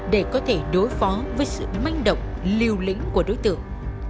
để có thể đối phó với sự manh động liều lĩnh của đối tượng